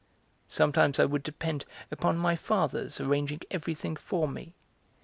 Sometimes I would depend upon my father's arranging everything for me.